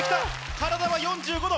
体は４５度！